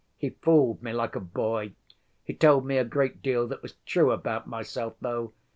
He fooled me like a boy. He told me a great deal that was true about myself, though.